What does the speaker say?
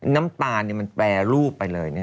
น้ำตาลมันแปรรูปไปเลย